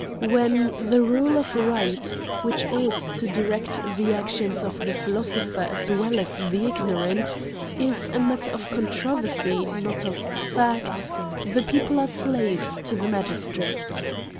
When the rule of right, which ought to direct the actions of the philosopher, as well as the ignorant, is a matter of controversy, not of fact, the people are slaves to the magistrates.